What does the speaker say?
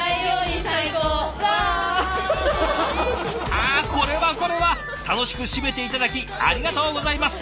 あこれはこれは楽しく締めて頂きありがとうございます。